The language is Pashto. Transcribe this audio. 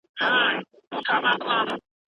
د ښځي په پوهنه کي د ټولنې خیر دی.